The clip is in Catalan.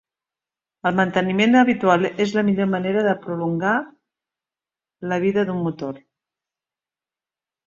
El manteniment habitual és la millor manera de prolongar la vida d'un motor.